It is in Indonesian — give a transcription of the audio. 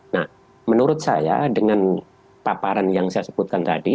nah menurut saya dengan paparan yang saya sebutkan tadi